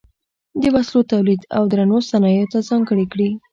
د وسلو تولید او درنو صنایعو ته ځانګړې کړې.